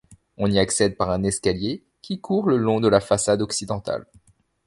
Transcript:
On y accède par un escalier qui court le long de la façade occidentale.